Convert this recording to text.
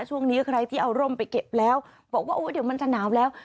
ช่วงนี้ใครที่เอาร่มไปเก็บแล้วบอกว่าโอ้เดี๋ยวมันจะหนาวแล้ว